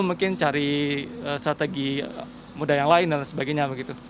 mungkin cari strategi mudah yang lain dan sebagainya